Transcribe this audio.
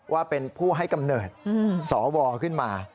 ว่าเป็นผู้ให้กำเนิดสวขึ้นมา